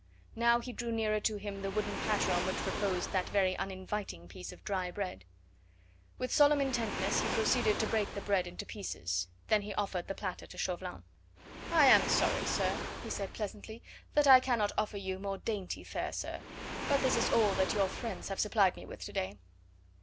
Now he drew nearer to him the wooden platter on which reposed that very uninviting piece of dry bread. With solemn intentness he proceeded to break the bread into pieces; then he offered the platter to Chauvelin. "I am sorry," he said pleasantly, "that I cannot offer you more dainty fare, sir, but this is all that your friends have supplied me with to day."